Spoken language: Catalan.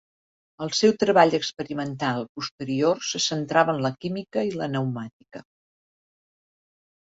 El seu treball experimental posterior se centrava en la química i la pneumàtica.